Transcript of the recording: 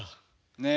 ねえ。